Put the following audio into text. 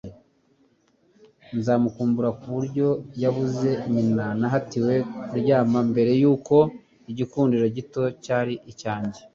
Nzamukumbura kuburyo yabuze nyina nahatiwe kuryama mbere yuko igikundiro gito cyari cyanjye.